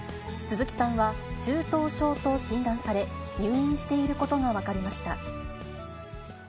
鈴木さんは、中等症と診断され、入院していることが分かりました。